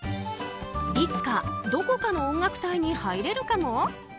いつか、どこかの音楽隊に入れるかも？